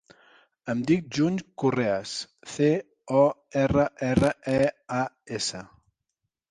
Em dic June Correas: ce, o, erra, erra, e, a, essa.